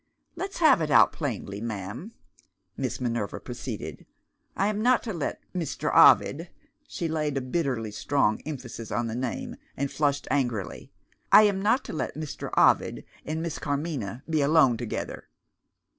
"Let's have it out plainly, ma'am," Miss Minerva proceeded. "I am not to let Mr. Ovid" (she laid a bitterly strong emphasis on the name, and flushed angrily) "I am not to let Mr. Ovid and Miss Carmina be alone together."